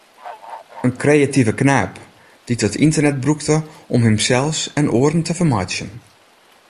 In kreative knaap, dy’t it ynternet brûkte om himsels en oaren te fermeitsjen.